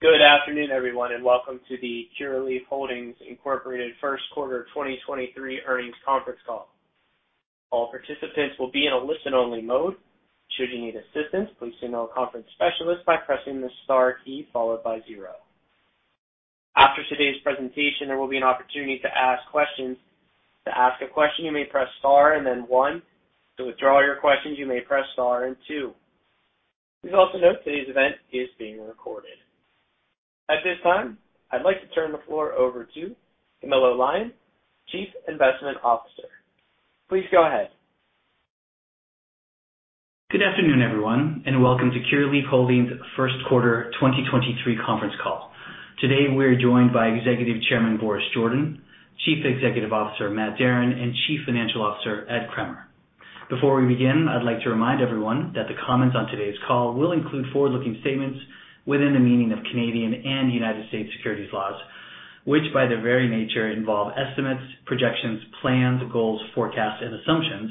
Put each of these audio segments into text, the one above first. Good afternoon, everyone. Welcome to the Curaleaf Holdings Incorporated First Quarter 2023 Earnings Conference Call. All participants will be in a listen-only mode. Should you need assistance, please signal a conference specialist by pressing the star key followed by zero. After today's presentation, there will be an opportunity to ask questions. To ask a question, you may press star and then one. To withdraw your questions, you may press star and two. Please also note today's event is being recorded. At this time, I'd like to turn the floor over to Camilo Lyon, Chief Investment Officer. Please go ahead. Good afternoon, everyone, welcome to Curaleaf Holdings first quarter 2023 conference call. Today, we're joined by Executive Chairman, Boris Jordan, Chief Executive Officer, Matt Darin, and Chief Financial Officer, Ed Kremer. Before we begin, I'd like to remind everyone that the comments on today's call will include forward-looking statements within the meaning of Canadian and United States securities laws, which by their very nature involve estimates, projections, plans, goals, forecasts, and assumptions,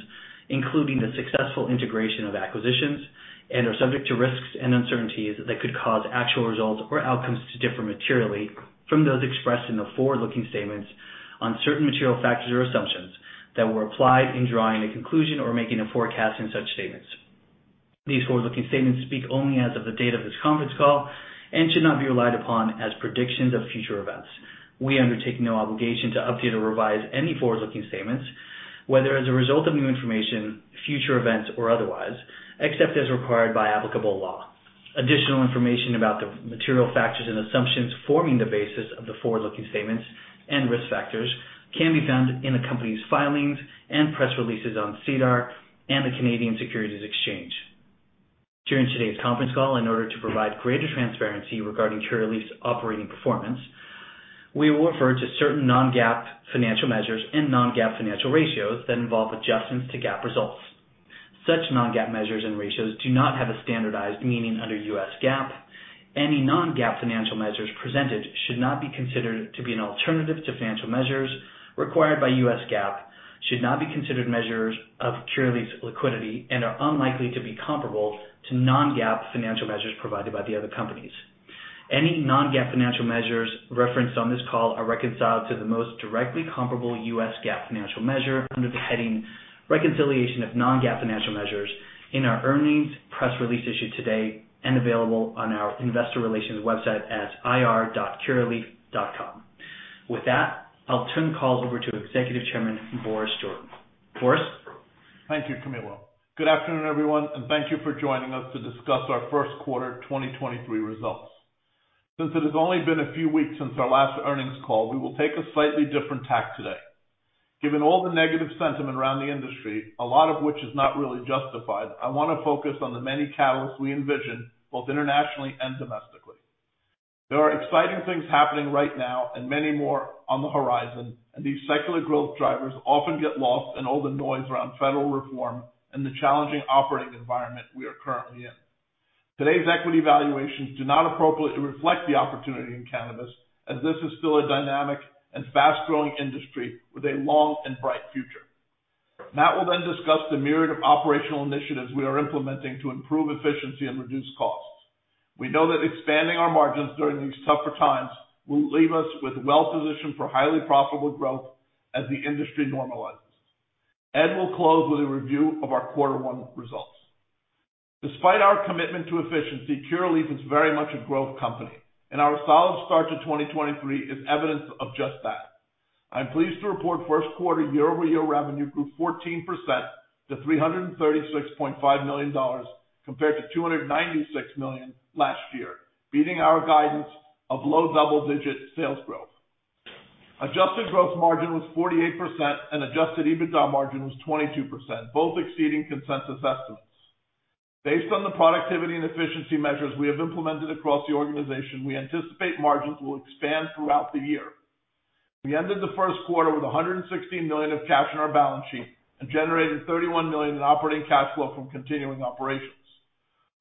including the successful integration of acquisitions and are subject to risks and uncertainties that could cause actual results or outcomes to differ materially from those expressed in the forward-looking statements on certain material factors or assumptions that were applied in drawing a conclusion or making a forecast in such statements. These forward-looking statements speak only as of the date of this conference call and should not be relied upon as predictions of future events. We undertake no obligation to update or revise any forward-looking statements, whether as a result of new information, future events or otherwise, except as required by applicable law. Additional information about the material factors and assumptions forming the basis of the forward-looking statements and risk factors can be found in the company's filings and press releases on SEDAR and the Canadian Securities Exchange. During today's conference call, in order to provide greater transparency regarding Curaleaf's operating performance, we will refer to certain non-GAAP financial measures and non-GAAP financial ratios that involve adjustments to GAAP results. Such non-GAAP measures and ratios do not have a standardized meaning under US GAAP. Any non-GAAP financial measures presented should not be considered to be an alternative to financial measures required by US GAAP, should not be considered measures of Curaleaf's liquidity and are unlikely to be comparable to non-GAAP financial measures provided by the other companies. Any non-GAAP financial measures referenced on this call are reconciled to the most directly comparable US GAAP financial measure under the heading reconciliation of Non-GAAP financial measures in our earnings press release issued today and available on our investor relations website at ir.curaleaf.com. With that, I'll turn the call over to Executive Chairman, Boris Jordan. Boris? Thank you, Camilo. Good afternoon, everyone, and thank you for joining us to discuss our first quarter 2023 results. Since it has only been a few weeks since our last earnings call, we will take a slightly different tack today. Given all the negative sentiment around the industry, a lot of which is not really justified, I wanna focus on the many catalysts we envision both internationally and domestically. There are exciting things happening right now and many more on the horizon. These secular growth drivers often get lost in all the noise around federal reform and the challenging operating environment we are currently in. Today's equity valuations do not appropriately reflect the opportunity in cannabis as this is still a dynamic and fast-growing industry with a long and bright future. Matt will discuss the myriad of operational initiatives we are implementing to improve efficiency and reduce costs. We know that expanding our margins during these tougher times will leave us with well-positioned for highly profitable growth as the industry normalizes. Ed will close with a review of our quarter one results. Despite our commitment to efficiency, Curaleaf is very much a growth company, and our solid start to 2023 is evidence of just that. I'm pleased to report first quarter year-over-year revenue grew 14% to $336.5 million compared to $296 million last year, beating our guidance of low double-digit sales growth. Adjusted gross margin was 48% and adjusted EBITDA margin was 22%, both exceeding consensus estimates. Based on the productivity and efficiency measures we have implemented across the organization, we anticipate margins will expand throughout the year. We ended the first quarter with $116 million of cash in our balance sheet and generated $31 million in operating cash flow from continuing operations.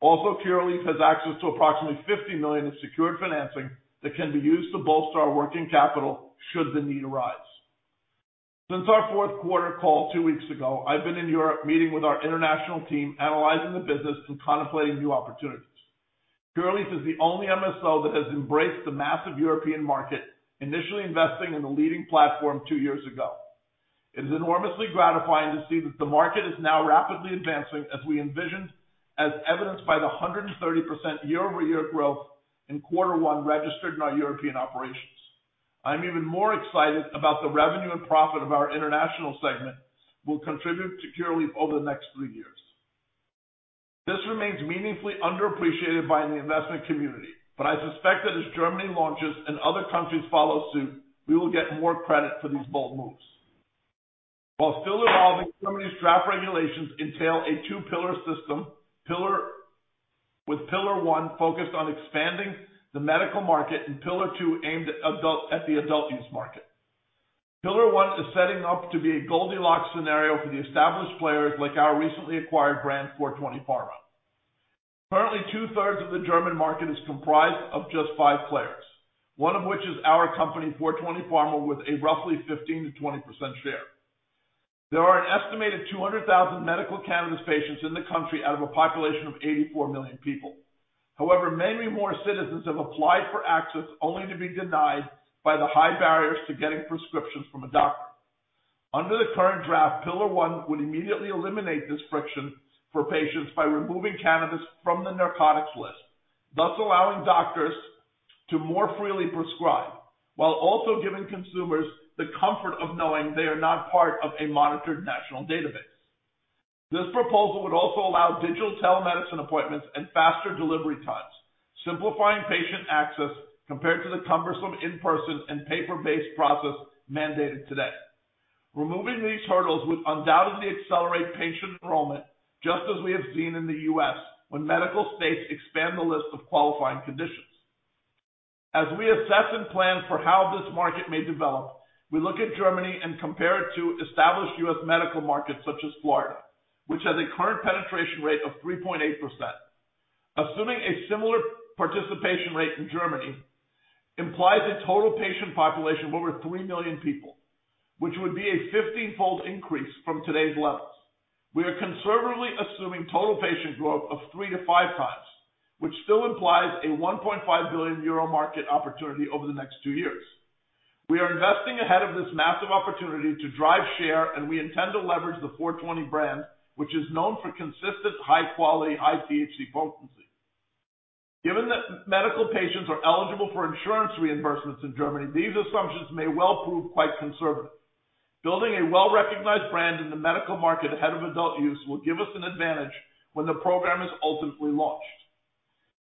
Curaleaf has access to approximately $50 million in secured financing that can be used to bolster our working capital should the need arise. Since our fourth quarter call two weeks ago, I've been in Europe meeting with our international team, analyzing the business and contemplating new opportunities. Curaleaf is the only MSO that has embraced the massive European market, initially investing in the leading platform two years ago. It is enormously gratifying to see that the market is now rapidly advancing as we envisioned as evidenced by the 130% year-over-year growth in quarter one registered in our European operations. I'm even more excited about the revenue and profit of our international segment will contribute to Curaleaf over the next three years. This remains meaningfully underappreciated by the investment community, I suspect that as Germany launches and other countries follow suit, we will get more credit for these bold moves. While still evolving, Germany's draft regulations entail a two-pillar system. With Pillar 1 focused on expanding the medical market and Pillar 2 aimed at the adult use market. Pillar 1 is setting up to be a Goldilocks scenario for the established players like our recently acquired brand, Four 20 Pharma. Currently, 2/3 of the German market is comprised of just five players, one of which is our company, Four 20 Pharma, with a roughly 15%-20% share. There are an estimated 200,000 medical cannabis patients in the country out of a population of 84 million people. Many more citizens have applied for access only to be denied by the high barriers to getting prescriptions from a doctor. Under the current draft, Pillar 1 would immediately eliminate this friction for patients by removing cannabis from the narcotics list, thus allowing doctors to more freely prescribe, while also giving consumers the comfort of knowing they are not part of a monitored national database. This proposal would also allow digital telemedicine appointments and faster delivery times, simplifying patient access compared to the cumbersome in-person and paper-based process mandated today. Removing these hurdles would undoubtedly accelerate patient enrollment, just as we have seen in the U.S. when medical states expand the list of qualifying conditions. As we assess and plan for how this market may develop, we look at Germany and compare it to established U.S. medical markets such as Florida, which has a current penetration rate of 3.8%. Assuming a similar participation rate in Germany implies a total patient population of over 3 million people, which would be a 15-fold increase from today's levels. We are conservatively assuming total patient growth of 3x to 5x, which still implies a 1.5 billion euro market opportunity over the next two years. We are investing ahead of this massive opportunity to drive share, and we intend to leverage the Four 20 brand, which is known for consistent high quality, high THC potency. Given that medical patients are eligible for insurance reimbursements in Germany, these assumptions may well prove quite conservative. Building a well-recognized brand in the medical market ahead of adult use will give us an advantage when the program is ultimately launched.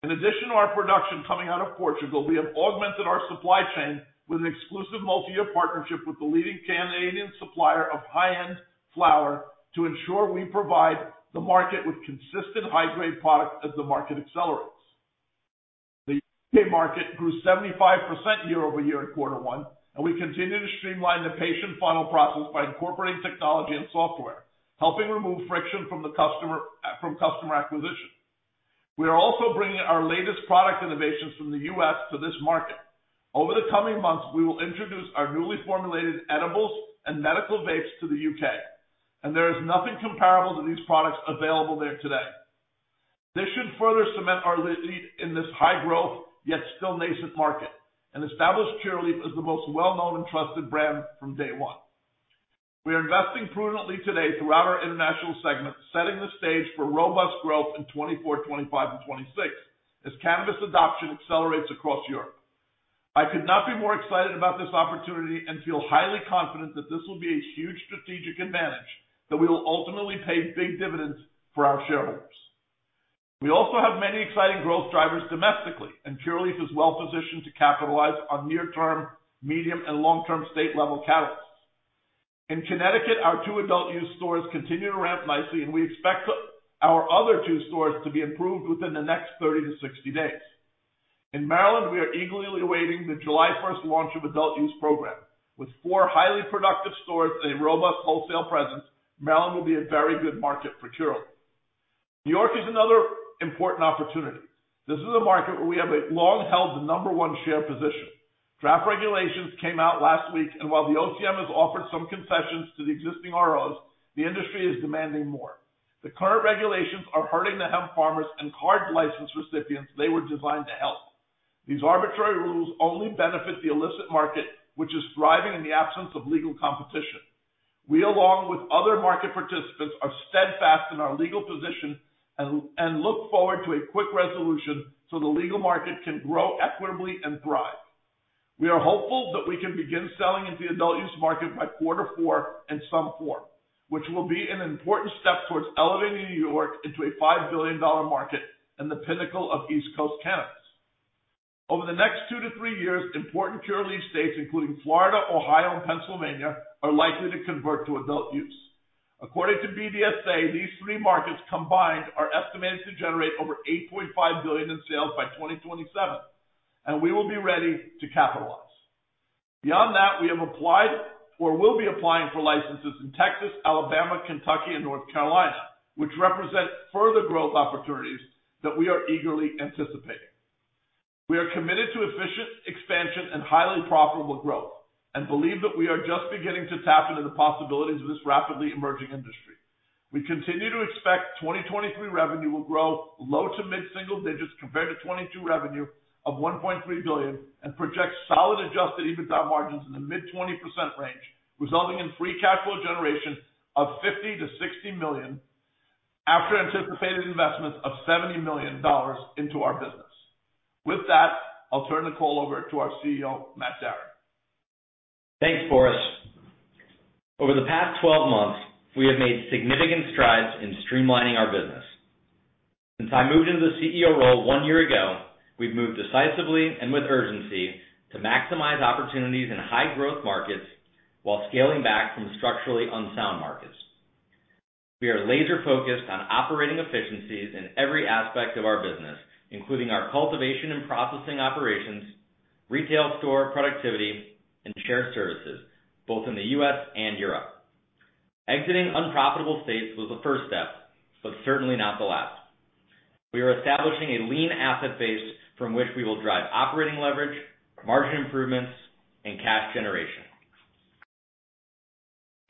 In addition to our production coming out of Portugal, we have augmented our supply chain with an exclusive multi-year partnership with the leading Canadian supplier of high-end flower to ensure we provide the market with consistent high-grade product as the market accelerates. The U.K. market grew 75% year-over-year in quarter one. We continue to streamline the patient funnel process by incorporating technology and software, helping remove friction from customer acquisition. We are also bringing our latest product innovations from the U.S. to this market. Over the coming months, we will introduce our newly formulated edibles and medical vapes to the U.K., and there is nothing comparable to these products available there today. This should further cement our lead in this high-growth, yet still nascent market, and establish Curaleaf as the most well-known and trusted brand from day one. We are investing prudently today throughout our international segment, setting the stage for robust growth in 2024, 2025 and 2026 as cannabis adoption accelerates across Europe. I could not be more excited about this opportunity and feel highly confident that this will be a huge strategic advantage that we will ultimately pay big dividends for our shareholders. We also have many exciting growth drivers domestically, and Curaleaf is well positioned to capitalize on near-term, medium and long-term state-level catalysts. In Connecticut, our two adult use stores continue to ramp nicely, and we expect our other two stores to be approved within the next 30-60 days. In Maryland, we are eagerly awaiting the July 1st launch of adult use program. With four highly productive stores and a robust wholesale presence, Maryland will be a very good market for Curaleaf. New York is another important opportunity. This is a market where we have a long-held number one share position. Draft regulations came out last week, and while the OCM has offered some concessions to the existing ROs, the industry is demanding more. The current regulations are hurting the hemp farmers and CAURD license recipients they were designed to help. These arbitrary rules only benefit the illicit market, which is thriving in the absence of legal competition. We, along with other market participants, are steadfast in our legal position and look forward to a quick resolution so the legal market can grow equitably and thrive. We are hopeful that we can begin selling into the adult use market by Q4 in some form, which will be an important step towards elevating New York into a $5 billion market and the pinnacle of East Coast cannabis. Over the next two to three years, important Curaleaf states, including Florida, Ohio and Pennsylvania, are likely to convert to adult use. According to BDSA, these three markets combined are estimated to generate over $8.5 billion in sales by 2027, and we will be ready to capitalize. Beyond that, we have applied or will be applying for licenses in Texas, Alabama, Kentucky and North Carolina, which represent further growth opportunities that we are eagerly anticipating. We are committed to efficient expansion and highly profitable growth and believe that we are just beginning to tap into the possibilities of this rapidly emerging industry. We continue to expect 2023 revenue will grow low to mid-single digits compared to 2022 revenue of $1.3 billion and project solid adjusted EBITDA margins in the mid-20% range, resulting in free cash flow generation of $50 million-$60 million after anticipated investments of $70 million into our business. With that, I'll turn the call over to our CEO, Matt Darin. Thanks, Boris. Over the past 12 months, we have made significant strides in streamlining our business. Since I moved into the CEO role one year ago, we've moved decisively and with urgency to maximize opportunities in high growth markets while scaling back from structurally unsound markets. We are laser-focused on operating efficiencies in every aspect of our business, including our cultivation and processing operations, retail store productivity, and share services both in the U.S. and Europe. Exiting unprofitable states was a first step, but certainly not the last. We are establishing a lean asset base from which we will drive operating leverage, margin improvements, and cash generation.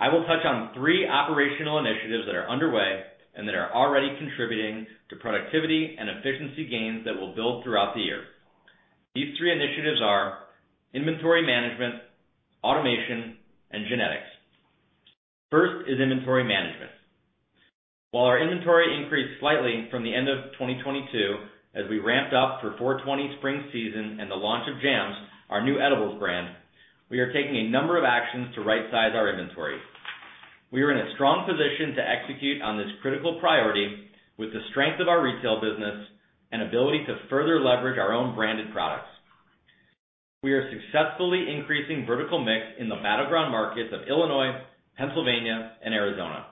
I will touch on three operational initiatives that are underway and that are already contributing to productivity and efficiency gains that will build throughout the year. These three initiatives are inventory management, automation, and genetics. First is inventory management. While our inventory increased slightly from the end of 2022 as we ramped up for 4/20 spring season and the launch of JAMS, our new edibles brand, we are taking a number of actions to right-size our inventory. We are in a strong position to execute on this critical priority with the strength of our retail business and ability to further leverage our own branded products. We are successfully increasing vertical mix in the battleground markets of Illinois, Pennsylvania, and Arizona.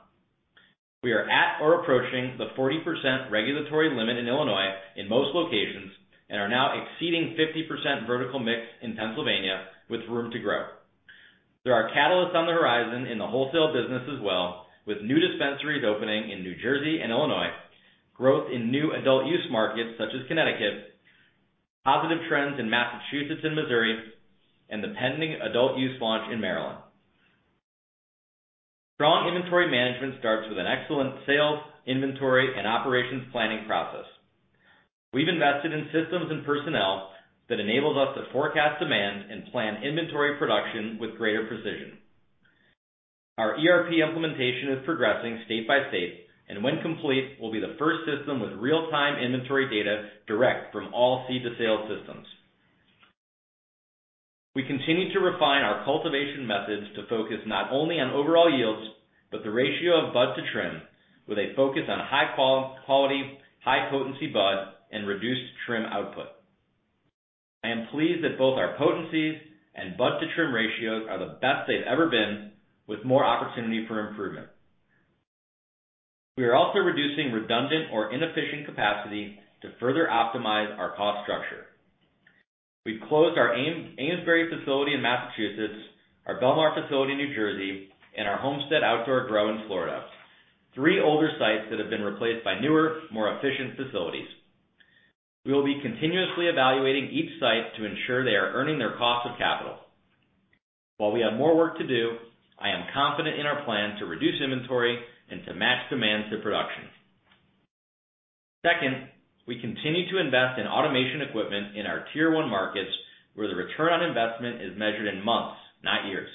We are at or approaching the 40% regulatory limit in Illinois in most locations and are now exceeding 50% vertical mix in Pennsylvania with room to grow. There are catalysts on the horizon in the wholesale business as well, with new dispensaries opening in New Jersey and Illinois, growth in new adult use markets such as Connecticut, positive trends in Massachusetts and Missouri, and the pending adult use launch in Maryland. Strong inventory management starts with an excellent sales, inventory, and operations planning process. We've invested in systems and personnel that enables us to forecast demand and plan inventory production with greater precision. Our ERP implementation is progressing state by state and when complete will be the first system with real-time inventory data direct from all seed-to-sale systems. We continue to refine our cultivation methods to focus not only on overall yields, but the ratio of bud to trim with a focus on high-quality, high-potency bud and reduced trim output. I am pleased that both our potencies and bud to trim ratios are the best they've ever been with more opportunity for improvement. We are also reducing redundant or inefficient capacity to further optimize our cost structure. We've closed our Amesbury facility in Massachusetts, our Belmar facility in New Jersey, and our Homestead outdoor grow in Florida, three older sites that have been replaced by newer, more efficient facilities. We will be continuously evaluating each site to ensure they are earning their cost of capital. While we have more work to do, I am confident in our plan to reduce inventory and to match demand to production. Second, we continue to invest in automation equipment in our tier one markets where the return on investment is measured in months, not years.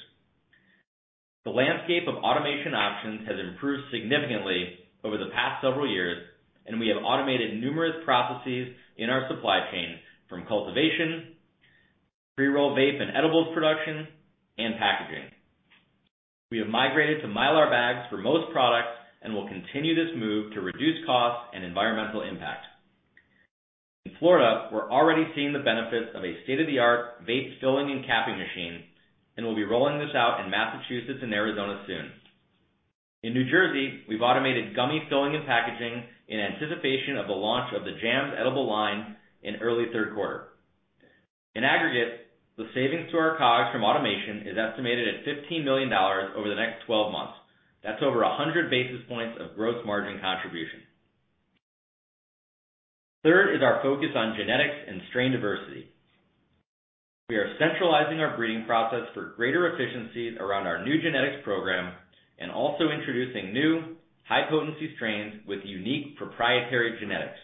The landscape of automation options has improved significantly over the past several years, and we have automated numerous processes in our supply chain from cultivation, pre-roll vape and edibles production, and packaging. We have migrated to Mylar bags for most products and will continue this move to reduce cost and environmental impact. In Florida, we're already seeing the benefits of a state-of-the-art vape filling and capping machine, and we'll be rolling this out in Massachusetts and Arizona soon. In New Jersey, we've automated gummy filling and packaging in anticipation of the launch of the JAMS edible line in early third quarter. In aggregate, the savings to our COGS from automation is estimated at $15 million over the next 12 months. That's over 100 basis points of gross margin contribution. Third is our focus on genetics and strain diversity. We are centralizing our breeding process for greater efficiencies around our new genetics program and also introducing new high-potency strains with unique proprietary genetics.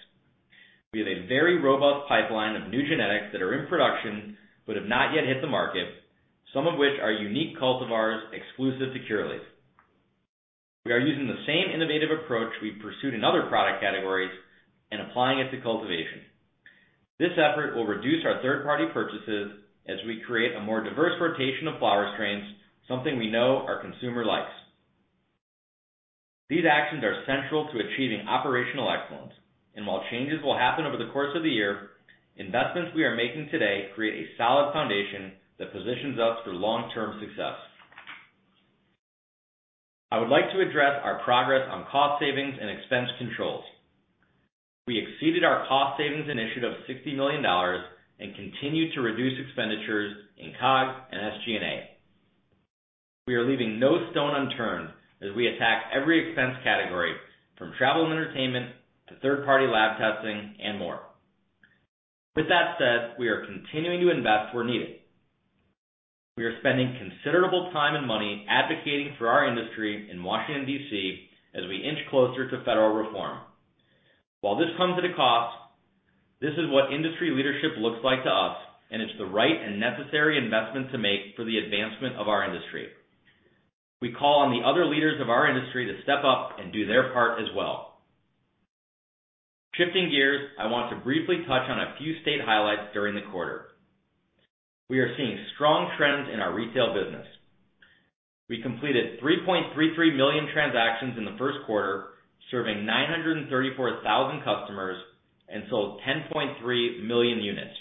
We have a very robust pipeline of new genetics that are in production but have not yet hit the market, some of which are unique cultivars exclusive to Curaleaf. We are using the same innovative approach we've pursued in other product categories and applying it to cultivation. This effort will reduce our third-party purchases as we create a more diverse rotation of flower strains, something we know our consumer likes. These actions are central to achieving operational excellence. While changes will happen over the course of the year, investments we are making today create a solid foundation that positions us for long-term success. I would like to address our progress on cost savings and expense controls. We exceeded our cost savings initiative of $60 million and continued to reduce expenditures in COGS and SG&A. We are leaving no stone unturned as we attack every expense category from travel and entertainment to third-party lab testing and more. With that said, we are continuing to invest where needed. We are spending considerable time and money advocating for our industry in Washington, D.C., as we inch closer to federal reform. While this comes at a cost, this is what industry leadership looks like to us, and it's the right and necessary investment to make for the advancement of our industry. We call on the other leaders of our industry to step up and do their part as well. Shifting gears, I want to briefly touch on a few state highlights during the quarter. We are seeing strong trends in our retail business. We completed 3.33 million transactions in the first quarter, serving 934,000 customers and sold 10.3 million units.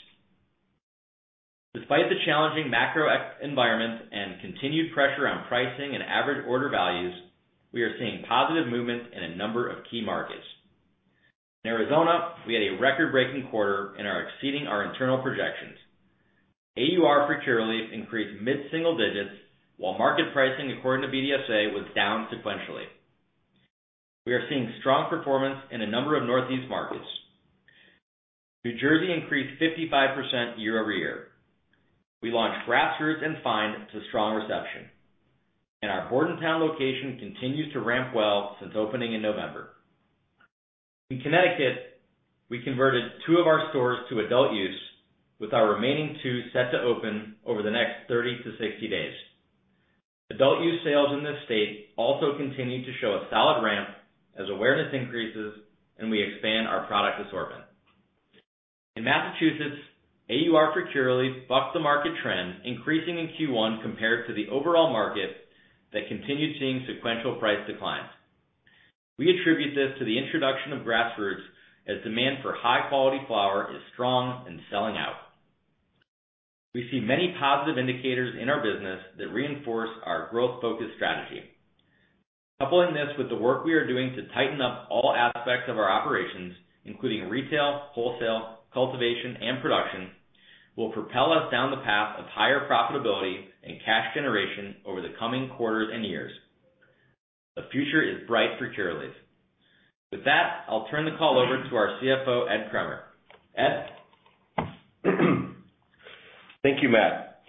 Despite the challenging macro environment and continued pressure on pricing and average order values, we are seeing positive movement in a number of key markets. In Arizona, we had a record-breaking quarter and are exceeding our internal projections. AUR for Curaleaf increased mid-single digits, while market pricing according to BDSA was down sequentially. We are seeing strong performance in a number of Northeast markets. New Jersey increased 55% year-over-year. We launched Grassroots and Find. to strong reception, and our Bordentown location continues to ramp well since opening in November. In Connecticut, we converted two of our stores to adult use, with our remaining two set to open over the next 30 to 60 days. Adult use sales in this state also continue to show a solid ramp as awareness increases and we expand our product assortment. In Massachusetts, AUR for Curaleaf bucked the market trend, increasing in Q1 compared to the overall market that continued seeing sequential price declines. We attribute this to the introduction of Grassroots as demand for high-quality flower is strong and selling out. We see many positive indicators in our business that reinforce our growth-focused strategy. Coupling this with the work we are doing to tighten up all aspects of our operations, including retail, wholesale, cultivation, and production, will propel us down the path of higher profitability and cash generation over the coming quarters and years. The future is bright for Curaleaf. With that, I'll turn the call over to our CFO, Ed Kremer. Ed? Thank you, Matt.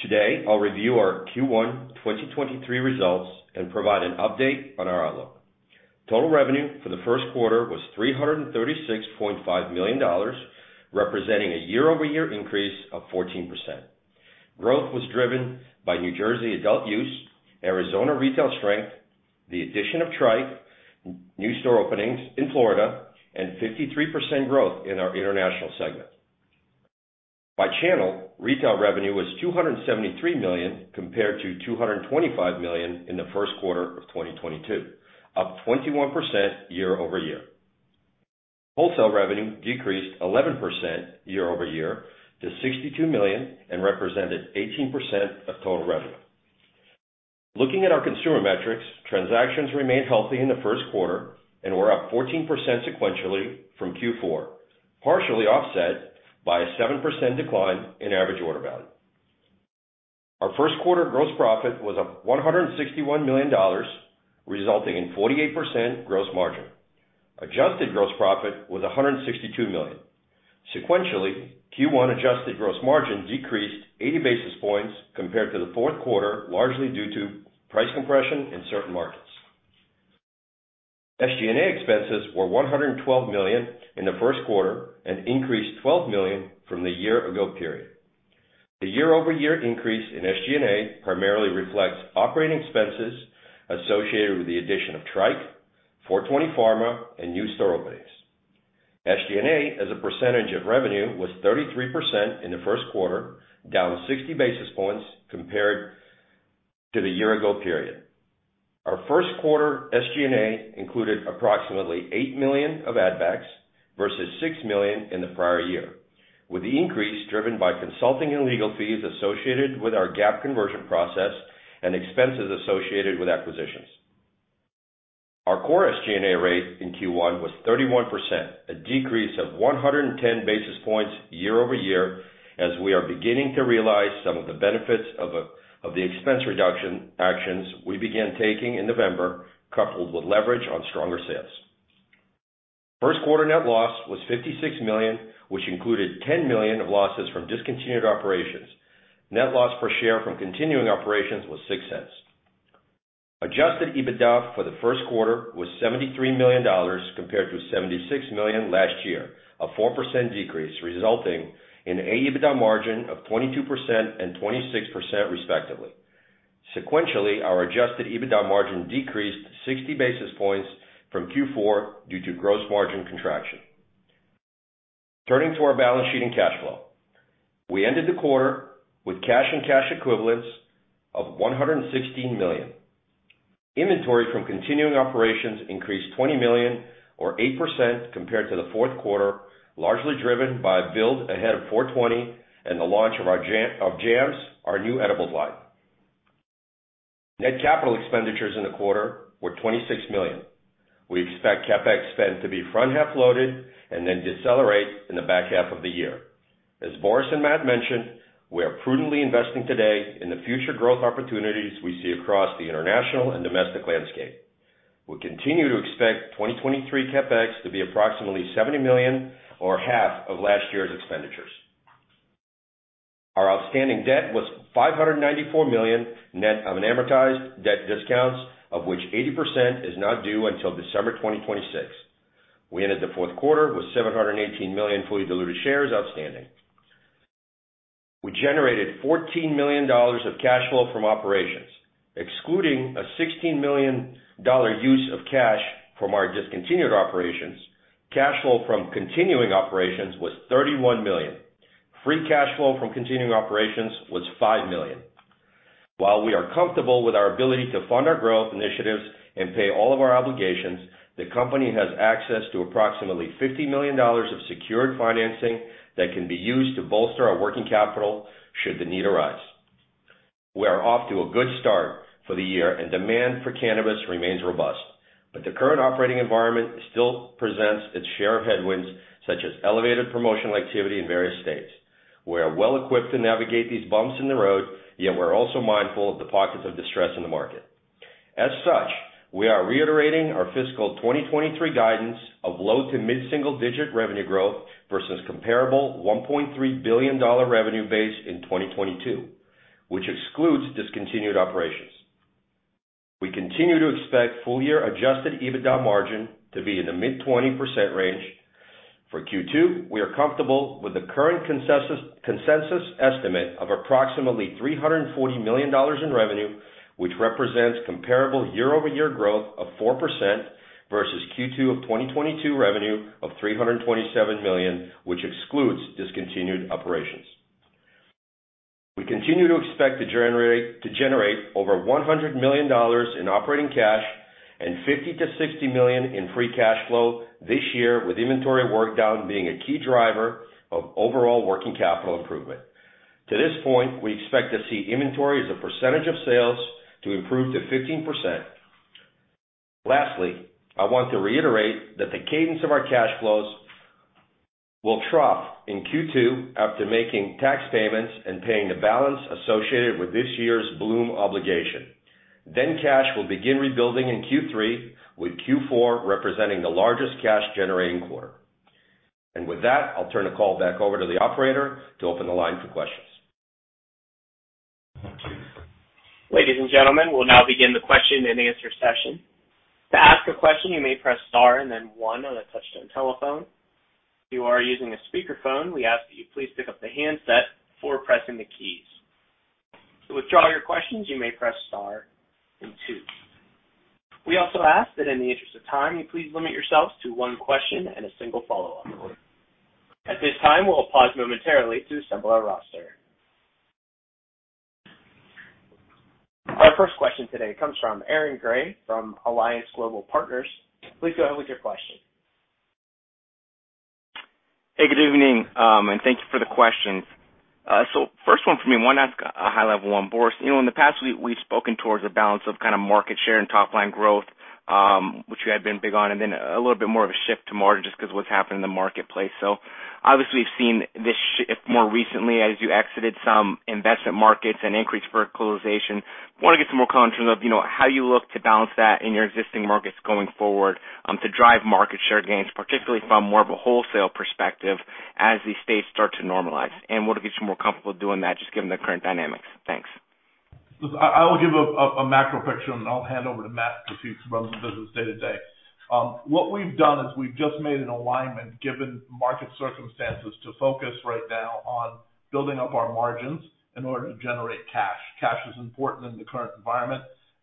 Today, I'll review our Q1 2023 results and provide an update on our outlook. Total revenue for the first quarter was $336.5 million, representing a year-over-year increase of 14%. Growth was driven by New Jersey adult use, Arizona retail strength, the addition of Tryke, new store openings in Florida, and 53% growth in our international segment. By channel, retail revenue was $273 million compared to $225 million in the first quarter of 2022, up 21% year-over-year. Wholesale revenue decreased 11% year-over-year to $62 million and represented 18% of total revenue. Looking at our consumer metrics, transactions remained healthy in the first quarter and were up 14% sequentially from Q4, partially offset by a 7% decline in average order value. Our first quarter gross profit was $161 million, resulting in 48% gross margin. Adjusted gross profit was $162 million. Sequentially, Q1 adjusted gross margin decreased 80 basis points compared to the fourth quarter, largely due to price compression in certain markets. SG&A expenses were $112 million in the first quarter and increased $12 million from the year-ago period. The year-over-year increase in SG&A primarily reflects operating expenses associated with the addition of Tryke, Four 20 Pharma, and new store openings. SG&A, as a percentage of revenue, was 33% in the first quarter, down 60 basis points compared to the year-ago period. Our first quarter SG&A included approximately $8 million of ad backs versus $6 million in the prior year, with the increase driven by consulting and legal fees associated with our GAAP conversion process and expenses associated with acquisitions. Our core SG&A rate in Q1 was 31%, a decrease of 110 basis points year-over-year, as we are beginning to realize some of the benefits of the expense reduction actions we began taking in November, coupled with leverage on stronger sales. First quarter net loss was $56 million, which included $10 million of losses from discontinued operations. Net loss per share from continuing operations was $0.06. Adjusted EBITDA for the first quarter was $73 million compared to $76 million last year, a 4% decrease, resulting in EBITDA margin of 22% and 26% respectively. Sequentially, our adjusted EBITDA margin decreased 60 basis points from Q4 due to gross margin contraction. Turning to our balance sheet and cash flow. We ended the quarter with cash and cash equivalents of $116 million. Inventory from continuing operations increased $20 million or 8% compared to the fourth quarter, largely driven by a build ahead of Four 20 Pharma and the launch of our JAMS, our new edibles line. Net capital expenditures in the quarter were $26 million. We expect CapEx spend to be front half loaded and then decelerate in the back half of the year. As Boris and Matt mentioned, we are prudently investing today in the future growth opportunities we see across the international and domestic landscape. We continue to expect 2023 CapEx to be approximately $70 million or half of last year's expenditures. Our outstanding debt was $594 million, net of an amortized debt discounts, of which 80% is not due until December 2026. We ended the fourth quarter with 718 million fully diluted shares outstanding. We generated $14 million of cash flow from operations, excluding a $16 million use of cash from our discontinued operations. Cash flow from continuing operations was $31 million. Free cash flow from continuing operations was $5 million. While we are comfortable with our ability to fund our growth initiatives and pay all of our obligations, the company has access to approximately $50 million of secured financing that can be used to bolster our working capital should the need arise. We are off to a good start for the year and demand for cannabis remains robust. The current operating environment still presents its share of headwinds, such as elevated promotional activity in various states. We are well equipped to navigate these bumps in the road, yet we're also mindful of the pockets of distress in the market. As such, we are reiterating our fiscal 2023 guidance of low to mid-single digit revenue growth versus comparable $1.3 billion revenue base in 2022, which excludes discontinued operations. We continue to expect full year adjusted EBITDA margin to be in the mid 20% range. For Q2, we are comfortable with the current consensus estimate of approximately $340 million in revenue, which represents comparable year-over-year growth of 4% versus Q2 of 2022 revenue of $327 million, which excludes discontinued operations. We continue to expect to generate over $100 million in operating cash and $50 million-$60 million in free cash flow this year, with inventory work down being a key driver of overall working capital improvement. To this point, we expect to see inventory as a percentage of sales to improve to 15%. Lastly, I want to reiterate that the cadence of our cash flows will trough in Q2 after making tax payments and paying the balance associated with this year's Bloom obligation. Cash will begin rebuilding in Q3, with Q4 representing the largest cash generating quarter. With that, I'll turn the call back over to the operator to open the line for questions. Ladies and gentlemen, we'll now begin the question and answer session. To ask a question, you may press star and then one on a touch-tone telephone. If you are using a speakerphone, we ask that you please pick up the handset before pressing the keys. To withdraw your questions, you may press star and two. We also ask that in the interest of time, you please limit yourself to one question and a single follow-up. At this time, we'll pause momentarily to assemble our roster. Our first question today comes from Aaron Grey, from Alliance Global Partners. Please go ahead with your question. Hey, good evening. Thank you for the questions. First one for me, I wanna ask a high-level one, Boris. You know, in the past, we've spoken towards a balance of kind of market share and top-line growth, which you had been big on, and then a little bit more of a shift to margin just 'cause what's happened in the marketplace. Obviously we've seen this shift more recently as you exited some investment markets and increased verticalization. Wanna get some more color in terms of, you know, how you look to balance that in your existing markets going forward to drive market share gains, particularly from more of a wholesale perspective as these states start to normalize. What it gets you more comfortable doing that, just given the current dynamics. Thanks. I will give a macro picture and I'll hand over to Matt to see if he runs the business day-to-day. What we've done is we've just made an alignment, given market circumstances, to focus right now on building up our margins in order to generate cash. Cash is important in the current environment,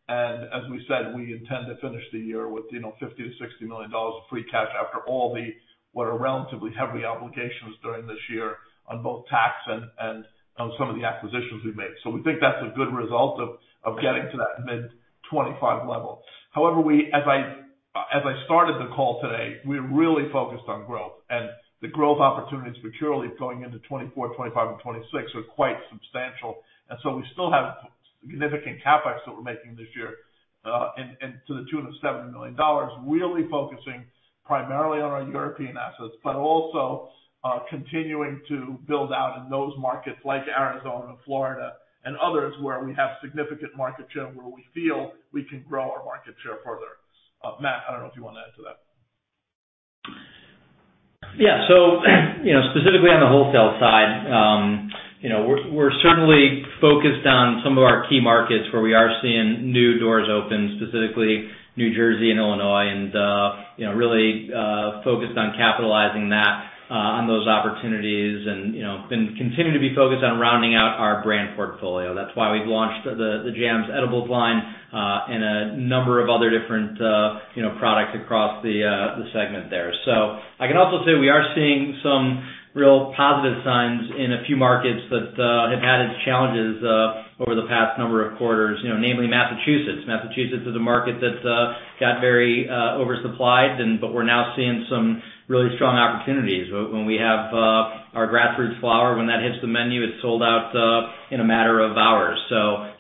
as we said, we intend to finish the year with, you know, $50 million-$60 million of free cash after all the what are relatively heavy obligations during this year on both tax and on some of the acquisitions we've made. We think that's a good result of getting to that mid 25% level. However, we, as I started the call today, we are really focused on growth and the growth opportunities maturely going into 2024, 2025 and 2026 are quite substantial. We still have significant CapEx that we're making this year, and to the tune of $70 million, really focusing primarily on our European assets, but also continuing to build out in those markets like Arizona and Florida and others where we have significant market share and where we feel we can grow our market share further. Matt, I don't know if you wanna add to that. You know, specifically on the wholesale side, you know, we're certainly focused on some of our key markets where we are seeing new doors open, specifically New Jersey and Illinois and, you know, really focused on capitalizing that on those opportunities and, you know, been continuing to be focused on rounding out our brand portfolio. That's why we've launched the JAMS edibles line and a number of other different, you know, products across the segment there. I can also say we are seeing some real positive signs in a few markets that have had its challenges over the past number of quarters, you know, namely Massachusetts. Massachusetts is a market that got very oversupplied but we're now seeing some really strong opportunities when we have our Grassroots flower, when that hits the menu, it's sold out in a matter of hours.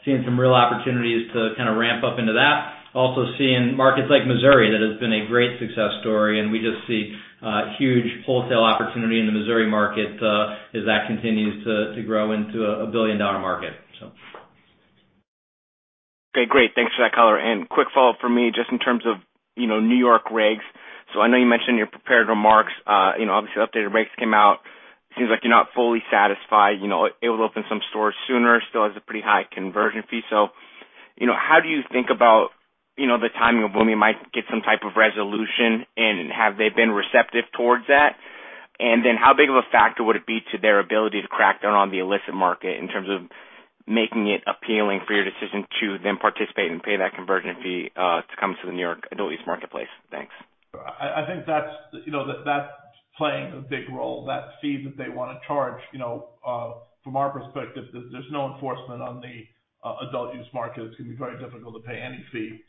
Seeing some real opportunities to kind of ramp up into that. Also seeing markets like Missouri, that has been a great success story, we just see huge wholesale opportunity in the Missouri market as that continues to grow into $1 billion market, so. Okay, great. Thanks for that color. Quick follow-up for me just in terms of, you know, New York regs. I know you mentioned in your prepared remarks, you know, obviously updated regs came out. Seems like you're not fully satisfied, you know, it will open some stores sooner, still has a pretty high conversion fee. You know, how do you think about, you know, the timing of when you might get some type of resolution, and have they been receptive towards that? How big of a factor would it be to their ability to crack down on the illicit market in terms of making it appealing for your decision to then participate and pay that conversion fee to come to the New York adult use marketplace? Thanks. I think that's, you know-- playing a big role. That fee that they want to charge, you know, from our perspective, there's no enforcement on the adult use market. It's going to be very difficult to pay any fee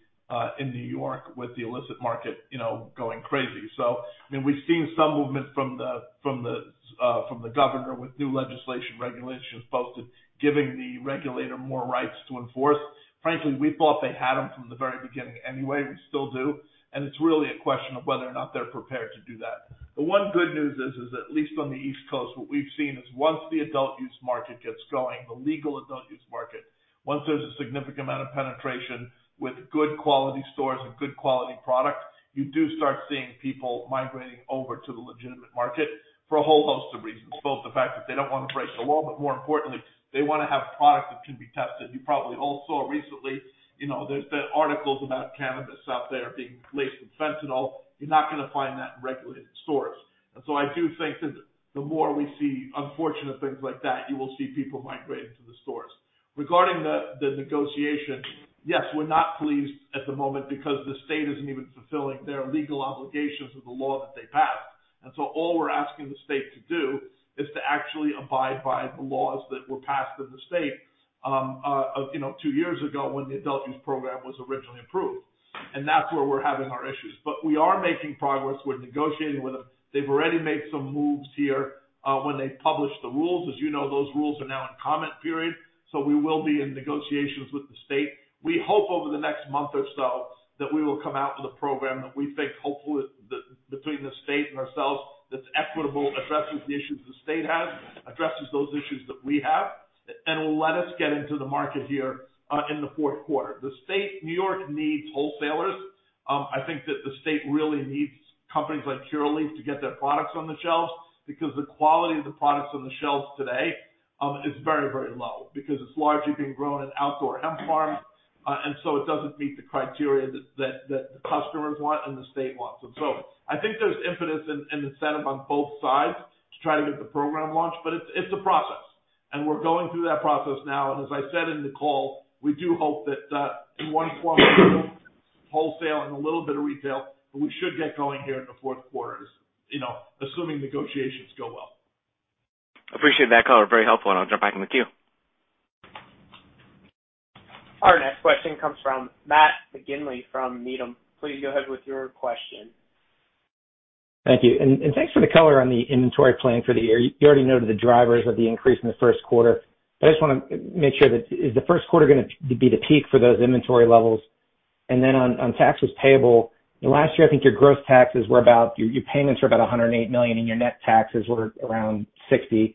in New York with the illicit market, you know, going crazy. I mean, we've seen some movement from the from the governor with new legislation, regulations posted, giving the regulator more rights to enforce. Frankly, we thought they had them from the very beginning anyway. We still do, and it's really a question of whether or not they're prepared to do that. The one good news is, at least on the East Coast, what we've seen is once the adult use market gets going, the legal adult use market, once there's a significant amount of penetration with good quality stores and good quality product, you do start seeing people migrating over to the legitimate market for a whole host of reasons. Both the fact that they don't want to break the law, but more importantly, they want to have product that can be tested. You probably all saw recently, you know, there's been articles about cannabis out there being laced with fentanyl. You're not gonna find that in regulated stores. I do think that the more we see unfortunate things like that, you will see people migrating to the stores. Regarding the negotiation, yes, we're not pleased at the moment because the state isn't even fulfilling their legal obligations of the law that they passed. All we're asking the state to do is to actually abide by the laws that were passed in the state, you know, two years ago when the adult use program was originally approved. That's where we're having our issues. We are making progress. We're negotiating with them. They've already made some moves here when they published the rules. As you know, those rules are now in comment period. We will be in negotiations with the state. We hope over the next month or so that we will come out with a program that we think hopefully the, between the state and ourselves, that's equitable, addresses the issues the state has, addresses those issues that we have, and will let us get into the market here, in the fourth quarter. The state, New York needs wholesalers. I think that the state really needs companies like Curaleaf to get their products on the shelves because the quality of the products on the shelves today, is very, very low because it's largely being grown in outdoor hemp farms. It doesn't meet the criteria that the customers want and the state wants. I think there's impetus and incentive on both sides to try to get the program launched. It's a process, and we're going through that process now. As I said in the call, we do hope that, in one form or another, wholesaling, a little bit of retail, but we should get going here in the fourth quarter, as, you know, assuming negotiations go well. Appreciate that color. Very helpful. I'll jump back in the queue. Our next question comes from Matt McGinley from Needham. Please go ahead with your question. Thank you. Thanks for the color on the inventory plan for the year. You already noted the drivers of the increase in the first quarter, I just wanna make sure that is the first quarter gonna be the peak for those inventory levels? Then on taxes payable, last year, I think your payments were about $108 million, and your net taxes were around $60 million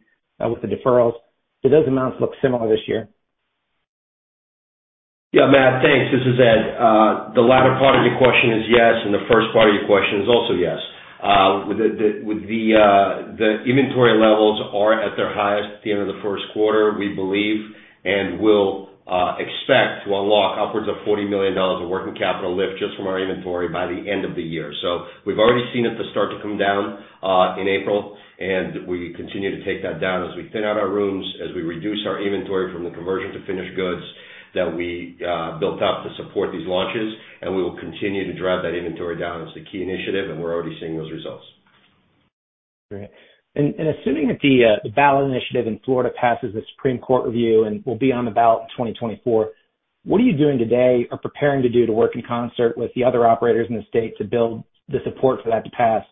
with the deferrals. Do those amounts look similar this year? Yeah, Matt, thanks. This is Ed. The latter part of your question is yes, and the first part of your question is also yes. With the inventory levels are at their highest at the end of the first quarter, we believe, and will expect to unlock upwards of $40 million of working capital lift just from our inventory by the end of the year. We've already seen it to start to come down in April, and we continue to take that down as we thin out our rooms, as we reduce our inventory from the conversion to finished goods that we built up to support these launches. We will continue to drive that inventory down as the key initiative, and we're already seeing those results. Great. Assuming that the ballot initiative in Florida passes the Supreme Court review and will be on the ballot in 2024, what are you doing today or preparing to do to work in concert with the other operators in the state to build the support for that to pass?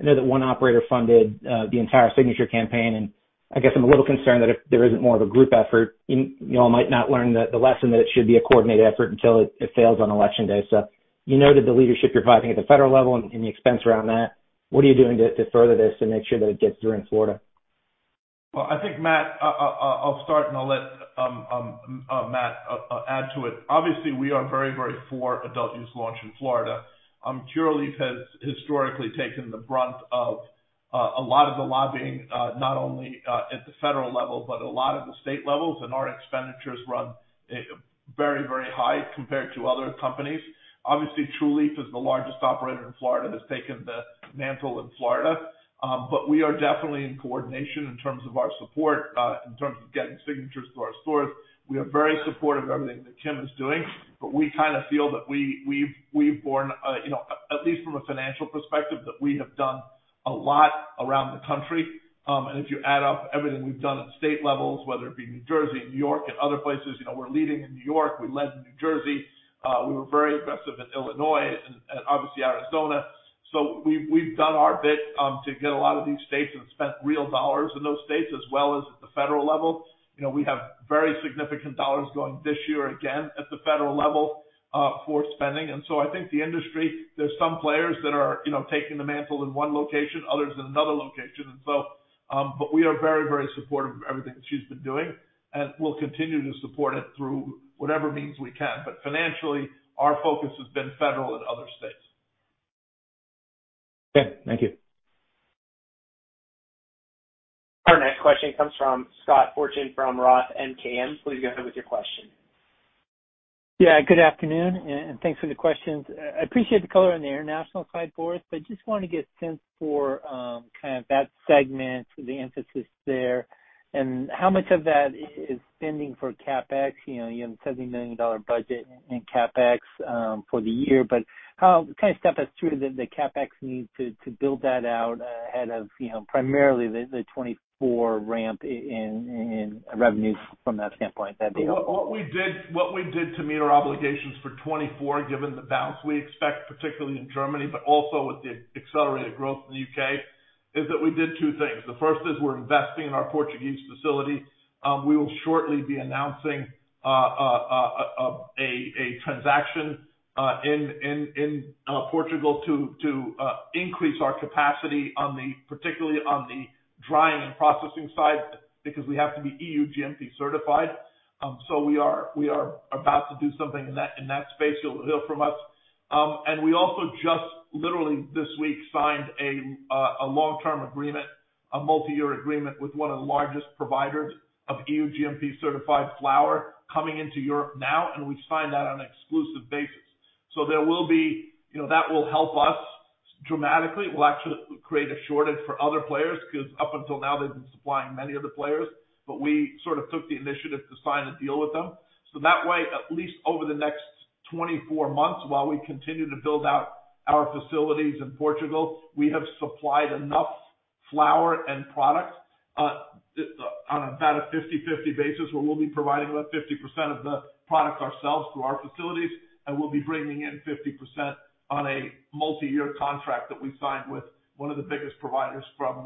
I know that 1 operator funded the entire signature campaign, and I guess I'm a little concerned that if there isn't more of a group effort, you all might not learn the lesson that it should be a coordinated effort until it fails on Election Day. You noted the leadership you're providing at the federal level and the expense around that. What are you doing to further this, to make sure that it gets through in Florida? Well, I think, Matt, I'll start, and I'll let Matt add to it. Obviously, we are very, very for adult use launch in Florida. Curaleaf has historically taken the brunt of a lot of the lobbying not only at the federal level, but a lot of the state levels. Our expenditures run very, very high compared to other companies. Obviously, Trulieve is the largest operator in Florida, has taken the mantle in Florida. We are definitely in coordination in terms of our support in terms of getting signatures to our stores. We are very supportive of everything that Kim is doing, but we kind of feel that we've borne, you know, at least from a financial perspective, that we have done a lot around the country. If you add up everything we've done at state levels, whether it be New Jersey, New York, and other places, you know, we're leading in New York, we led in New Jersey, we were very aggressive in Illinois and obviously Arizona. We've done our bit to get a lot of these states and spent real dollars in those states as well as at the federal level. You know, we have very significant dollars going this year, again at the federal level, for spending. I think the industry, there's some players that are, you know, taking the mantle in one location, others in another location. We are very, very supportive of everything she's been doing, and we'll continue to support it through whatever means we can. Financially, our focus has been federal and other states. Okay. Thank you. Our next question comes from Scott Fortune from ROTH MKM. Please go ahead with your question. Yeah, good afternoon thanks for the questions. I appreciate the color on the international side for us, just want to get a sense for kind of that segment, the emphasis there, and how much of that is spending for CapEx. You know, you have a $70 million budget in CapEx for the year, how kind of step us through the CapEx needs to build that out ahead of, you know, primarily the 2024 ramp in revenues from that standpoint, that deal. What we did to meet our obligations for 2024, given the bounce we expect, particularly in Germany, but also with the accelerated growth in the U.K., is that we did two things. The first is we're investing in our Portuguese facility. We will shortly be announcing a transaction in Portugal to increase our capacity on the particularly on the drying and processing side, because we have to be E.U. GMP certified. We are about to do something in that space. You'll hear from us. We also just literally this week signed a long-term agreement, a multi-year agreement with one of the largest providers of E.U. GMP-certified flower coming into Europe now, and we signed that on an exclusive basis. There will be... You know, that will help us dramatically. It will actually create a shortage for other players, because up until now, they've been supplying many other players. We sort of took the initiative to sign a deal with them. That way, at least over the next 24 months, while we continue to build out our facilities in Portugal, we have supplied enough flower and product, on about a 50/50 basis, where we'll be providing about 50% of the product ourselves through our facilities, and we'll be bringing in 50% on a multi-year contract that we signed with one of the biggest providers from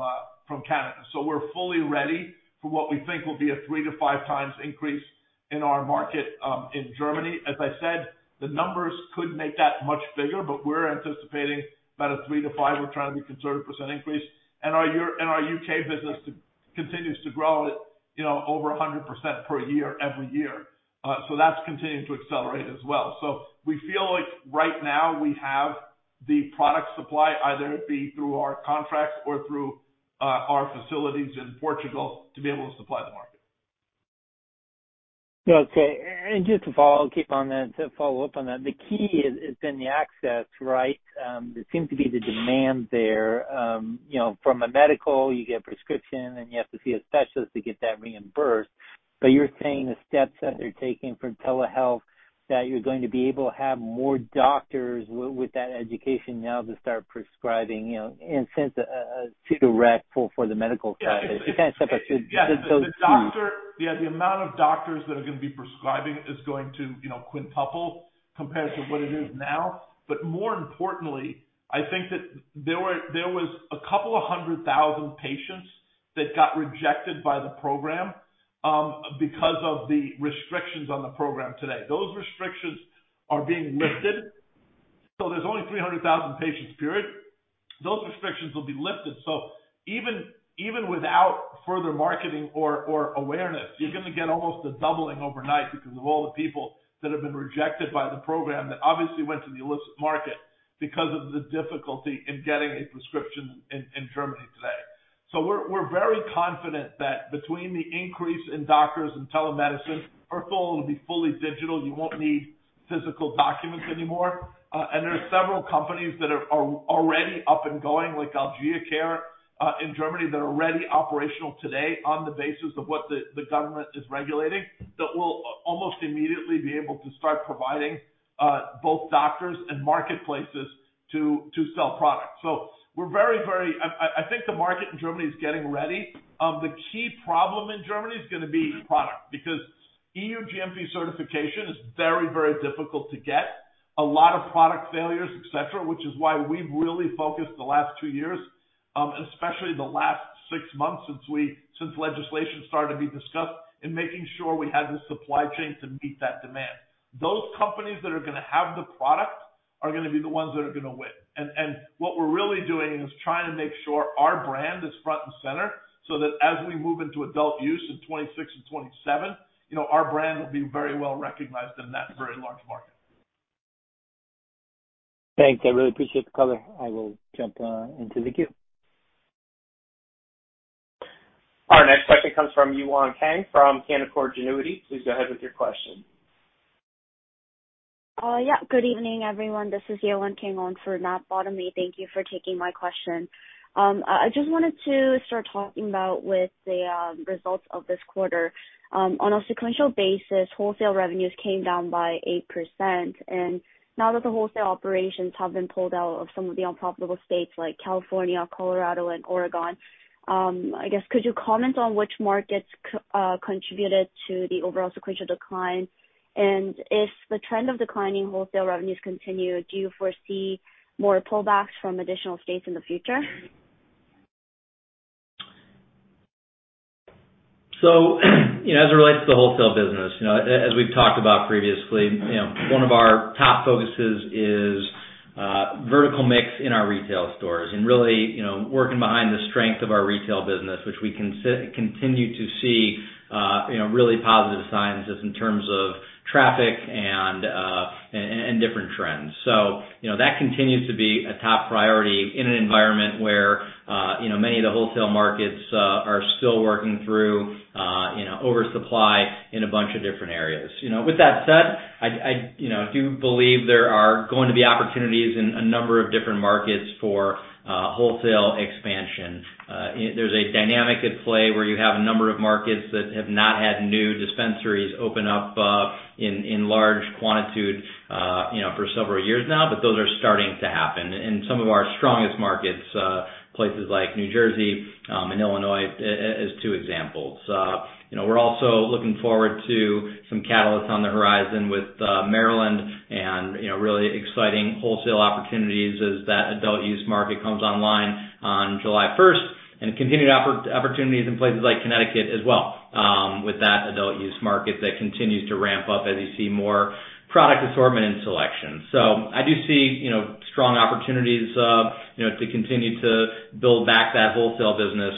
Canada. We're fully ready for what we think will be a 3x to 5x increase in our market, in Germany. As I said, the numbers could make that much bigger, we're anticipating about a 3%-5%, we're trying to be conservative, increase. Our U.K. business continues to grow at, you know, over 100% per year every year. That's continuing to accelerate as well. We feel like right now we have the product supply, either it be through our contracts or through our facilities in Portugal, to be able to supply the market. Okay. Just to follow, keep on that, to follow up on that. The key has been the access, right? There seems to be the demand there. You know, from a medical, you get a prescription, and you have to see a specialist to get that reimbursed. You're saying the steps that they're taking for telehealth, that you're going to be able to have more doctors with that education now to start prescribing, you know, and since to direct for the medical side. Can you kind of step us through those two? The amount of doctors that are going to be prescribing is going to, you know, quintuple compared to what it is now. More importantly, I think that there was a couple of 100,000 patients that got rejected by the program because of the restrictions on the program today. Those restrictions are being lifted. There's only 300,000 patients, period. Those restrictions will be lifted. Even without further marketing or awareness, you're going to get almost a doubling overnight because of all the people that have been rejected by the program that obviously went to the illicit market because of the difficulty in getting a prescription in Germany today. We're very confident that between the increase in doctors and telemedicine, our goal to be fully digital, you won't need physical documents anymore. And there are several companies that are already up and going, like Algea Care in Germany, that are already operational today on the basis of what the government is regulating, that will almost immediately be able to start providing both doctors and marketplaces to sell products. We're very. I think the market in Germany is getting ready. The key problem in Germany is gonna be product, because E.U. GMP certification is very difficult to get. A lot of product failures, et cetera, which is why we've really focused the last two years, especially the last six months since legislation started to be discussed, in making sure we had the supply chain to meet that demand. Those companies that are gonna have the product are gonna be the ones that are gonna win. What we're really doing is trying to make sure our brand is front and center so that as we move into adult use in 2026 and 2027, you know, our brand will be very well recognized in that very large market. Thanks. I really appreciate the color. I will jump into the queue. Our next question comes from Yewon Kang from Canaccord Genuity. Please go ahead with your question. Yeah, good evening, everyone. This is Yewon Kang. On for Matt Bottomley. Thank you for taking my question. I just wanted to start talking about with the results of this quarter. On a sequential basis, wholesale revenues came down by 8%. Now that the wholesale operations have been pulled out of some of the unprofitable states like California, Colorado and Oregon, I guess could you comment on which markets contributed to the overall sequential decline? If the trend of declining wholesale revenues continue, do you foresee more pullbacks from additional states in the future? You know, as it relates to the wholesale business, you know, as we've talked about previously, you know, one of our top focuses is vertical mix in our retail stores and really, you know, working behind the strength of our retail business, which we continue to see, you know, really positive signs just in terms of traffic and. Different trends. You know, that continues to be a top priority in an environment where, you know, many of the wholesale markets are still working through, you know, oversupply in a bunch of different areas. With that said, I, you know, do believe there are going to be opportunities in a number of different markets for wholesale expansion. There's a dynamic at play where you have a number of markets that have not had new dispensaries open up in large quantity, you know, for several years now, but those are starting to happen in some of our strongest markets, places like New Jersey, and Illinois, as two examples. You know, we're also looking forward to some catalysts on the horizon with Maryland and, you know, really exciting wholesale opportunities as that adult use market comes online on July first. Continued opportunities in places like Connecticut as well, with that adult use market that continues to ramp up as you see more product assortment and selection. I do see, you know, strong opportunities, you know, to continue to build back that wholesale business,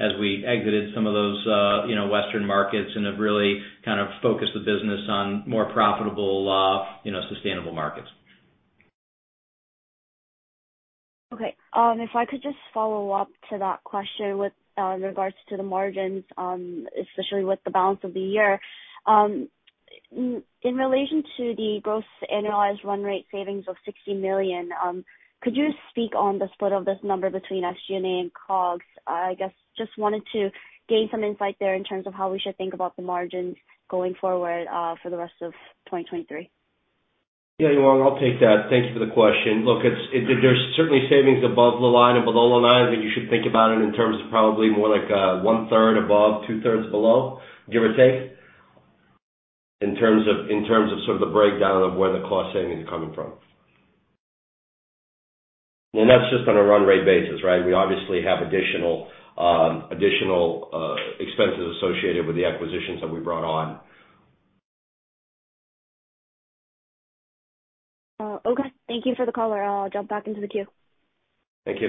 as we exited some of those, you know, western markets and have really kind of focused the business on more profitable, you know, sustainable markets. Okay. If I could just follow up to that question with regards to the margins, especially with the balance of the year. In relation to the gross annualized run rate savings of $60 million, could you speak on the split of this number between SG&A and COGS? I guess just wanted to gain some insight there in terms of how we should think about the margins going forward for the rest of 2023. Yeah, Yewon, I'll take that. Thank you for the question. Look, it's, there's certainly savings above the line and below the line that you should think about it in terms of probably more like 1/3 above, 2/3 below, give or take, in terms of sort of the breakdown of where the cost saving is coming from. That's just on a run rate basis, right? We obviously have additional expenses associated with the acquisitions that we brought on. Okay. Thank you for the color. I'll jump back into the queue. Thank you.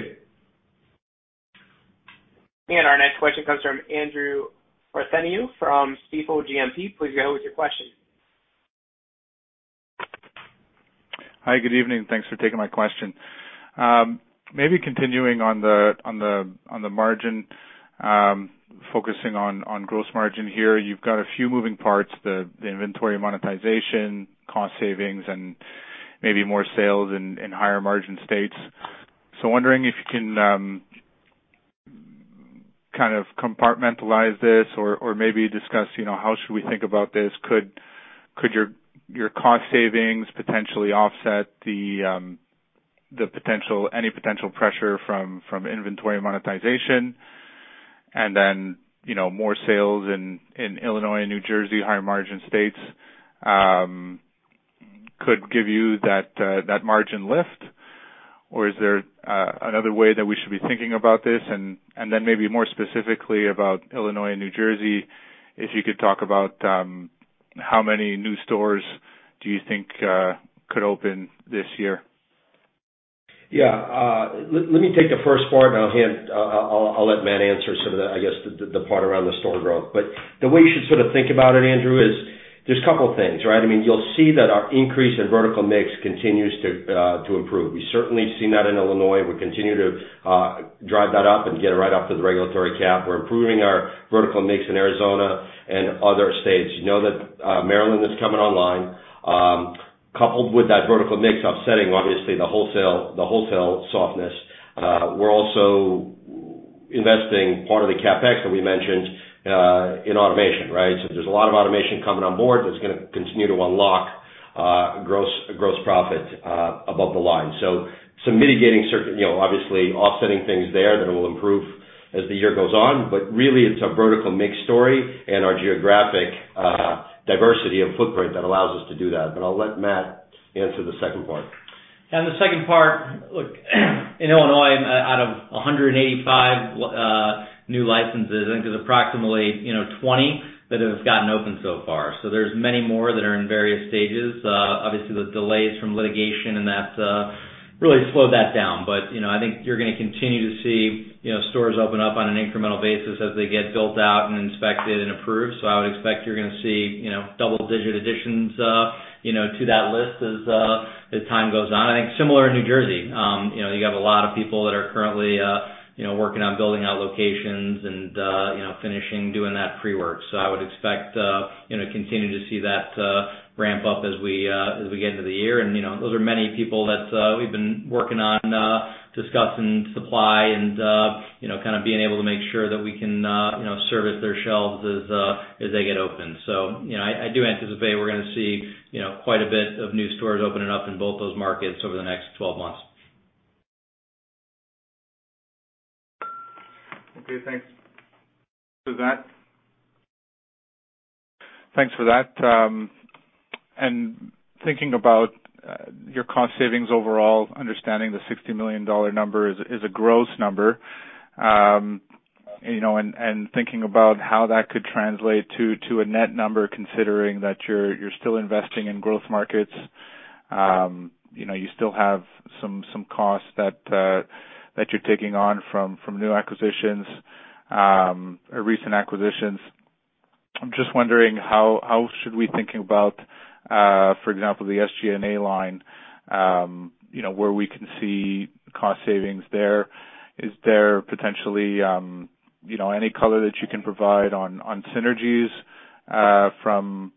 Our next question comes from Andrew Partheniou from Stifel GMP. Please go ahead with your question. Hi. Good evening. Thanks for taking my question. Maybe continuing on the margin, focusing on gross margin here. You've got a few moving parts, the inventory monetization, cost savings, and maybe more sales in higher margin states. Wondering if you can kind of compartmentalize this or maybe discuss, you know, how should we think about this. Could your cost savings potentially offset any potential pressure from inventory monetization? You know, more sales in Illinois and New Jersey, higher margin states, could give you that margin lift, or is there another way that we should be thinking about this? Maybe more specifically about Illinois and New Jersey, if you could talk about how many new stores do you think could open this year? Yeah. Let me take the first part and I'll let Matt answer some of the, I guess, the part around the store growth. The way you should sort of think about it, Andrew, is there's a couple of things, right? I mean, you'll see that our increase in vertical mix continues to improve. We've certainly seen that in Illinois. We continue to drive that up and get it right up to the regulatory cap. We're improving our vertical mix in Arizona and other states. You know that Maryland is coming online. Coupled with that vertical mix offsetting obviously the wholesale softness, we're also investing part of the CapEx that we mentioned in automation, right? There's a lot of automation coming on board that's gonna continue to unlock gross profit above the line. Mitigating certain, you know, obviously offsetting things there that will improve as the year goes on. Really it's a vertical mix story and our geographic diversity of footprint that allows us to do that. I'll let Matt answer the second part. Yeah, the second part, look, in Illinois, out of 185 new licenses, I think there's approximately, you know, 20 that have gotten open so far. There's many more that are in various stages. Obviously, the delays from litigation and that's really slowed that down. You know, I think you're gonna continue to see, you know, stores open up on an incremental basis as they get built out and inspected and approved. I would expect you're gonna see, you know, double-digit additions, you know, to that list as time goes on. I think similar in New Jersey. You know, you have a lot of people that are currently, you know, working on building out locations and, you know, finishing doing that pre-work. I would expect, you know, to continue to see that ramp up as we get into the year. You know, those are many people that we've been working on discussing supply and, you know, kind of being able to make sure that we can, you know, service their shelves as they get opened. You know, I do anticipate we're gonna see, you know, quite a bit of new stores opening up in both those markets over the next 12 months. Okay, thanks for that. Thanks for that. Thinking about your cost savings overall, understanding the $60 million number is a gross number. You know, thinking about how that could translate to a net number considering that you're still investing in growth markets, you know, you still have some costs that you're taking on from new acquisitions or recent acquisitions. I'm just wondering how should we thinking about, for example, the SG&A line, you know, where we can see cost savings there. Is there potentially, you know, any color that you can provide on synergies from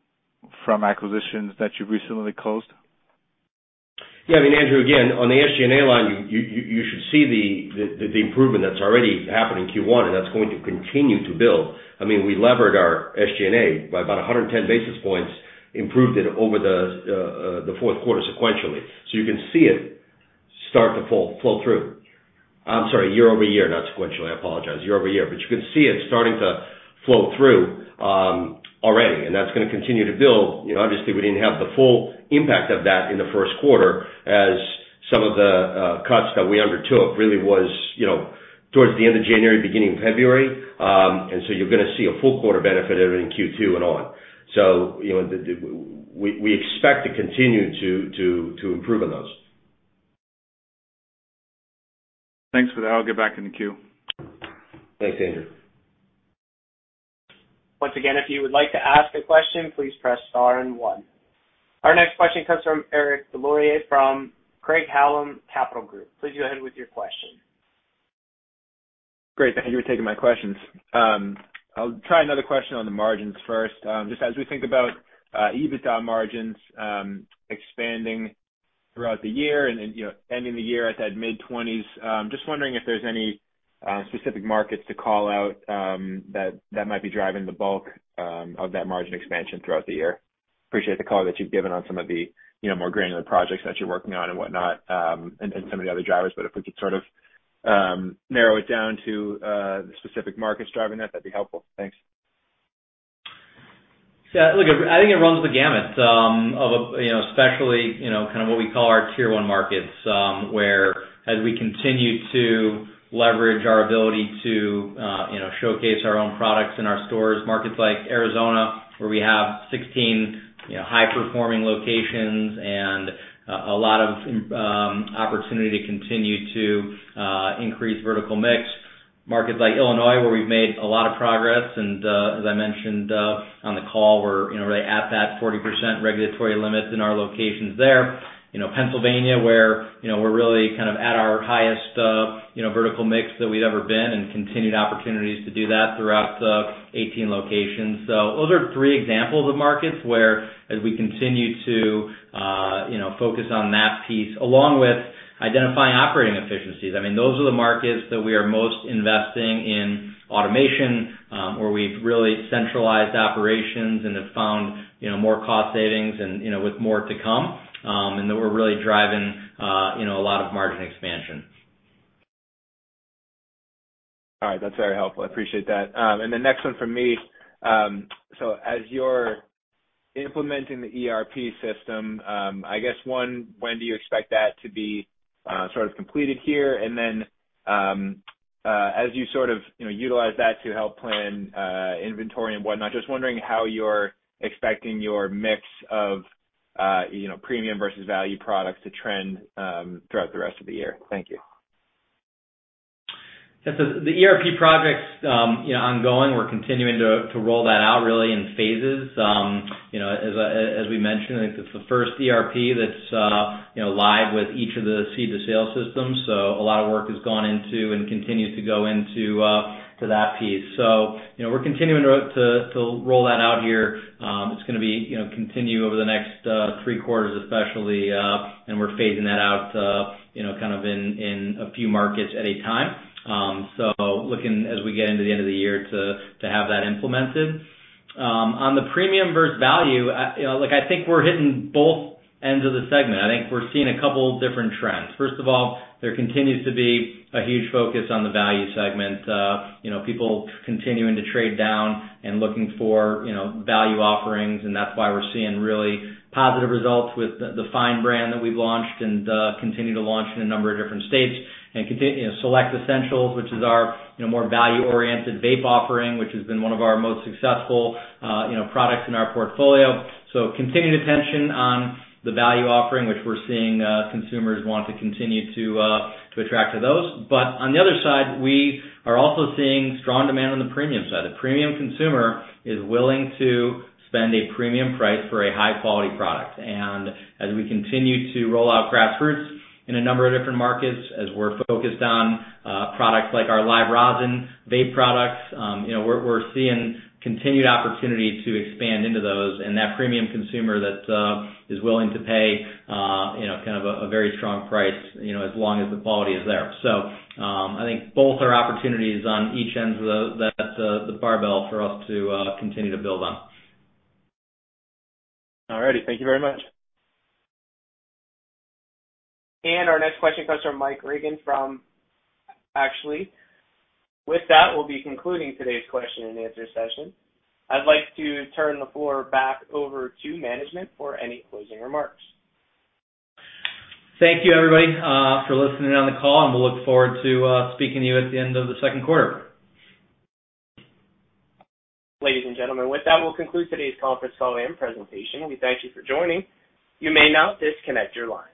acquisitions that you've recently closed? I mean, Andrew, again, on the SG&A line, you should see the improvement that's already happened in Q1, and that's going to continue to build. I mean, we levered our SG&A by about 110 basis points, improved it over the fourth quarter sequentially. You can see it start to flow through. I'm sorry, year-over-year, not sequentially. I apologize. Year-over-year. You can see it starting to flow through already, and that's gonna continue to build. You know, obviously, we didn't have the full impact of that in the first quarter as some of the cuts that we undertook really was, you know, towards the end of January, beginning of February. You're gonna see a full quarter benefit of it in Q2 and on. you know, we expect to continue to improve on those. Thanks for that. I'll get back in the queue. Thanks, Andrew. Once again, if you would like to ask a question, please press star 1. Our next question comes from Eric Des Lauriers from Craig-Hallum Capital Group. Please go ahead with your question. Great. Thank you for taking my questions. I'll try another question on the margins first. Just as we think about EBITDA margins expanding throughout the year and then, you know, ending the year at that mid-20s, just wondering if there's any specific markets to call out that might be driving the bulk of that margin expansion throughout the year. Appreciate the color that you've given on some of the, you know, more granular projects that you're working on and whatnot, and some of the other drivers. If we could sort of narrow it down to the specific markets driving that'd be helpful. Thanks. Yeah, look, I think it runs the gamut, of, you know, especially, you know, kind of what we call our Tier 1 markets, where as we continue to leverage our ability to, you know, showcase our own products in our stores, markets like Arizona, where we have 16, you know, high performing locations and, a lot of, opportunity to continue to, increase vertical mix. Markets like Illinois, where we've made a lot of progress and, as I mentioned, on the call, we're, you know, really at that 40% regulatory limits in our locations there. You know, Pennsylvania, where, you know, we're really kind of at our highest, you know, vertical mix that we've ever been and continued opportunities to do that throughout the 18 locations. Those are three examples of markets where as we continue to, you know, focus on that piece, along with identifying operating efficiencies. I mean, those are the markets that we are most investing in automation, where we've really centralized operations and have found, you know, more cost savings and, you know, with more to come, and that we're really driving, you know, a lot of margin expansion. All right. That's very helpful. I appreciate that. The next one from me, so as you're implementing the ERP system, I guess one, when do you expect that to be sort of completed here? Then, as you sort of, you know, utilize that to help plan inventory and whatnot, just wondering how you're expecting your mix of, you know, premium versus value products to trend throughout the rest of the year. Thank you. Yes. The ERP projects, you know, ongoing. We're continuing to roll that out really in phases. You know, as we mentioned, I think it's the first ERP that's, you know, live with each of the seed-to-sale systems. A lot of work has gone into and continues to go into to that piece. You know, we're continuing to roll that out here. It's gonna be, you know, continue over the next three quarters especially, and we're phasing that out, you know, kind of in a few markets at a time. Looking as we get into the end of the year to have that implemented. On the premium versus value, you know, look, I think we're hitting both ends of the segment. I think we're seeing a couple different trends. First of all, there continues to be a huge focus on the value segment. you know, people continuing to trade down and looking for, you know, value offerings, and that's why we're seeing really positive results with the Find. brand that we've launched and continue to launch in a number of different states. you know, Select Essentials, which is our, you know, more value-oriented vape offering, which has been one of our most successful, you know, products in our portfolio. Continued attention on the value offering, which we're seeing consumers want to continue to attract to those. On the other side, we are also seeing strong demand on the premium side. The premium consumer is willing to spend a premium price for a high quality product. As we continue to roll out Grassroots in a number of different markets, as we're focused on products like our Live Rosin vape products, you know, we're seeing continued opportunity to expand into those. That premium consumer that is willing to pay, you know, kind of a very strong price, you know, as long as the quality is there. I think both are opportunities on each ends of the barbell for us to continue to build on. All righty. Thank you very much. Our next question comes from Mike Regan from-- Actually. With that, we'll be concluding today's question and answer session. I'd like to turn the floor back over to management for any closing remarks. Thank you, everybody, for listening on the call, and we'll look forward to speaking to you at the end of the second quarter. Ladies and gentlemen, with that, we'll conclude today's conference call and presentation. We thank you for joining. You may now disconnect your line.